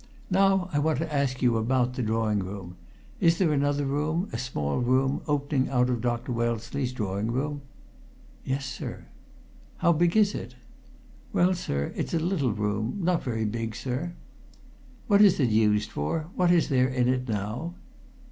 Now I want to ask you about the drawing room. Is there another room, a small room, opening out of Dr. Wellesley's drawing room?" "Yes, sir." "How big is it?" "Well, sir, it's a little room. Not very big, sir." "What is it used for? What is there in it now?"